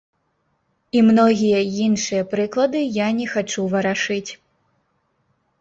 І многія іншыя прыклады я не хачу варашыць.